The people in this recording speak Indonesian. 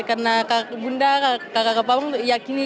karena kak bunda kak kak pakpam yakin